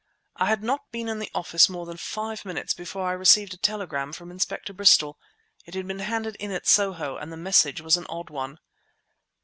I had not been in the office more than five minutes before I received a telegram from Inspector Bristol. It had been handed in at Soho, and the message was an odd one.